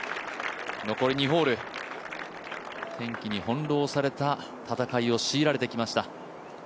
残り２ホール、天気に翻弄された戦いを強いられてきました。